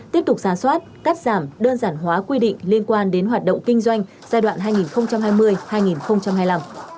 tiếp tục giả soát cắt giảm đơn giản hóa quy định liên quan đến hoạt động kinh doanh giai đoạn hai nghìn hai mươi hai nghìn hai mươi năm